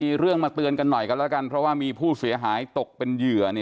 มีเรื่องมาเตือนกันหน่อยกันแล้วกันเพราะว่ามีผู้เสียหายตกเป็นเหยื่อ